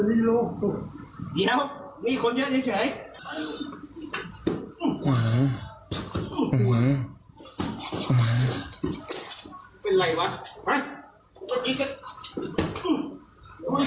ไม่มีใครเนี่ย